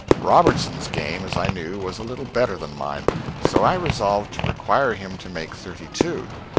Robertson's game, as I knew, was a little better than mine, so I resolved to require him to make thirty two.